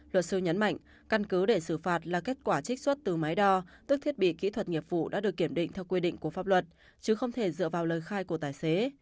luật sư nhấn mạnh căn cứ để xử phạt là kết quả trích xuất từ máy đo tức thiết bị kỹ thuật nghiệp vụ đã được kiểm định theo quy định của pháp luật chứ không thể dựa vào lời khai của tài xế